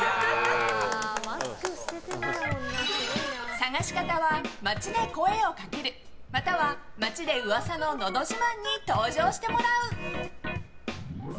探し方は、街で声をかけるまたは、街で噂ののど自慢に登場してもらう。